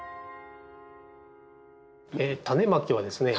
タネまきはですね